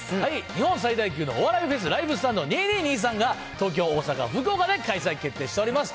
日本最大級のお笑いフェス、ＬＩＶＥＳＴＡＮＤ２２−２３が、東京、大阪、福岡で開催決定しております。